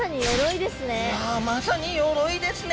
いやまさに鎧ですね。